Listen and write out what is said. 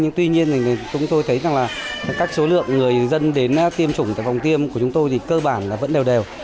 nhưng tuy nhiên thì chúng tôi thấy rằng là các số lượng người dân đến tiêm chủng tại phòng tiêm của chúng tôi thì cơ bản là vẫn đều đều đều